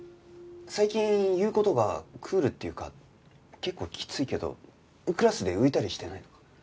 最近言う事がクールっていうか結構きついけどクラスで浮いたりしてないのか？